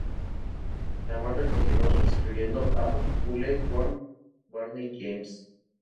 La banda continuó, sustituyendo a Poole con Barney James.